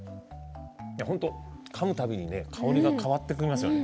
本当に、かむ度に香りが変わってきますよね